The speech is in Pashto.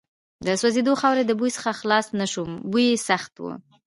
د سوځېدلې خاورې د بوی څخه خلاص نه شوم، بوی یې سخت و.